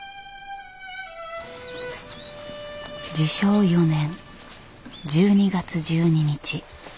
治承４年１２月１２日。